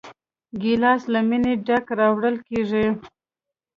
ګیلاس له مینې ډک راوړل کېږي.